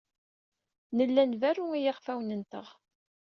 Nella nberru i yiɣfawen-nteɣ.